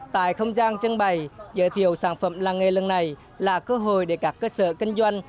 tại không gian trưng bày giới thiệu sản phẩm làng nghề lần này là cơ hội để các cơ sở kinh doanh